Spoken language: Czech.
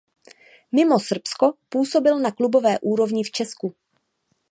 Mimo Srbsko působil na klubové úrovni v Česku.